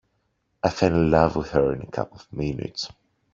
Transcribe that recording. I fell in love with her in a couple of minutes.